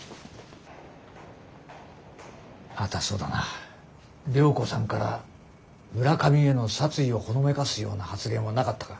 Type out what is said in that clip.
あとはそうだな涼子さんから村上への殺意をほのめかすような発言はなかったか？